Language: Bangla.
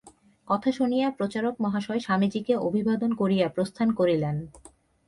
কথা শুনিয়া প্রচারক মহাশয় স্বামীজীকে অভিবাদন করিয়া প্রস্থান করিলেন।